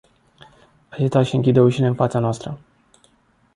Acesta își închide ușile în fața noastră”.